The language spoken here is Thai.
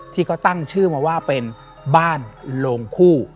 ที่เขาตั้งชื่อมาว่าเป็นบ้านโลงคู่